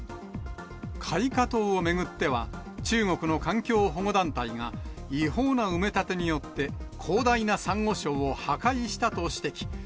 海花島を巡っては、中国の環境保護団体が、違法な埋め立てによって、広大なサンゴ礁を破壊したと指摘。